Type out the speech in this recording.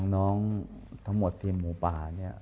ทั้งหมดทีมหมูป่าเนี่ย